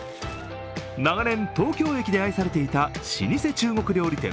長年、東京駅で愛されていた老舗中国料理店